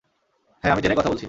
হ্যাঁ আমি জেনেই কথা বলছি!